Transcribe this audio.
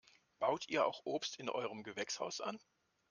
Baut ihr auch Obst in eurem Gewächshaus an?